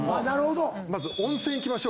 まず温泉行きましょうか。